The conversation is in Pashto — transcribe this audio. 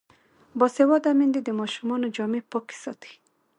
باسواده میندې د ماشومانو جامې پاکې ساتي.